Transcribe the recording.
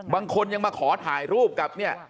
บางคนยังมาขอถ่ายรูปกับเนี่ย